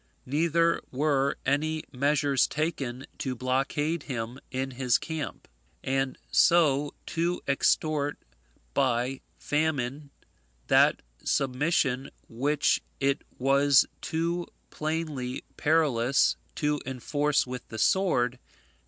Neither were any measures taken to blockade him in his camp, and so to extort by famine that submission which it was too plainly perilous to enforce with the sword.